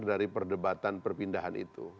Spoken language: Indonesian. dari perdebatan perpindahan itu